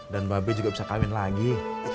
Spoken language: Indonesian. dan mbak be juga bisa kawin lagi